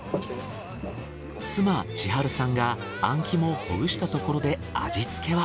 妻千春さんがあん肝をほぐしたところで味付けは？